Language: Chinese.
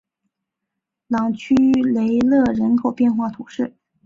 朗屈雷勒人口变化图示